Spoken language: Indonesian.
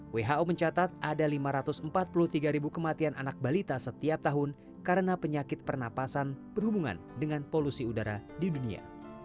who mencatat ada lima ratus empat puluh tiga ribu kematian anak balita setiap tahun karena penyakit pernapasan berhubungan dengan polusi udara di dunia